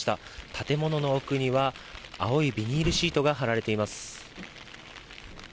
建物の奥には青いビニールシートが張られています。